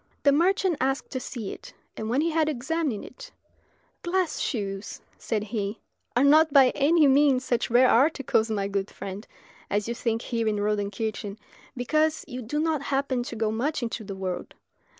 The merchant asked to see it, and when he had examined it "Glass shoes," said he, "are not by any means such rare articles, my good friend, as you think here in Rodenkirchen, because you do not happen to go much into the world.